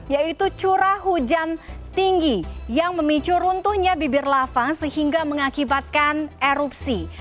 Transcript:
yaitu curah hujan tinggi yang memicu runtuhnya bibir lava sehingga mengakibatkan erupsi